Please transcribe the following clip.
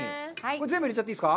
全部、入れちゃっていいですか？